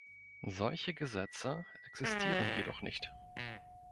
Solche Gesetze existieren jedoch nicht.